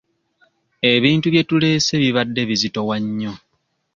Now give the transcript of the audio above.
Ebintu bye tuleese bibadde bizitowa nnyo.